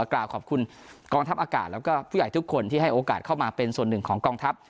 กล่าวขอบคุณกองทัพอากาศแล้วก็ผู้ใหญ่ทุกคนที่ให้โอกาสเข้ามาเป็นส่วนหนึ่งของกองทัพ